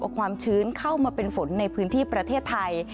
เอาความชื้นเข้ามาเป็นฝนในพื้นที่ประเทศไทย